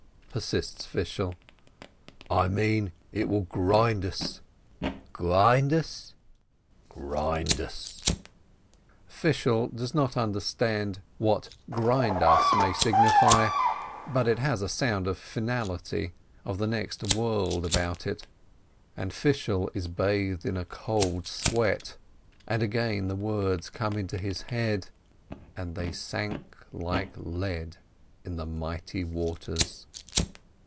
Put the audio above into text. persists Fishel. "I mean, it will grind us." "Grind us?" FISHEL THE TEACHER 139 "Grind us." Fishel does not understand what "grind us, grind us" may signify, but it has a sound of finality, of the next world, about it, and Fishel is bathed in a cold sweat, and again the words come into his head, "And they sank like lead in the mighty waters."